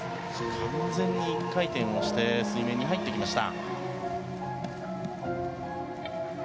完全に１回転して水面に入っていきました。